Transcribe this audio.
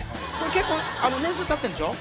結構年数たってんでしょ？